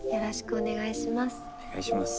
お願いします。